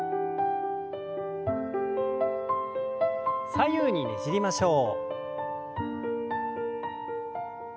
左右にねじりましょう。